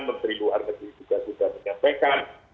menteri luar negeri juga sudah menyampaikan